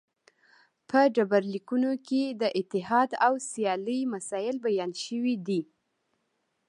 په ډبرلیکونو کې د اتحاد او سیالۍ مسایل بیان شوي دي